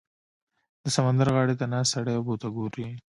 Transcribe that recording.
• د سمندر غاړې ته ناست سړی اوبو ته ګوري.